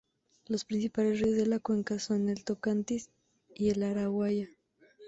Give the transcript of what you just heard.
Los principales ríos de la cuenca son el Tocantins y el Araguaia.